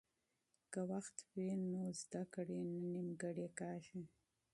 که وخت وي نو درس نه نیمګړی کیږي.